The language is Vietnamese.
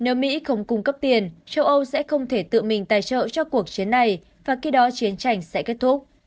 nếu mỹ không cung cấp tiền châu âu sẽ không thể tự mình tài trợ cho cuộc chiến này và khi đó chiến tranh sẽ kết thúc